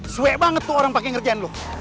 swe banget tuh orang pake ngerjain lu